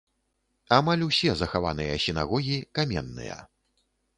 Амаль усе захаваныя сінагогі каменныя.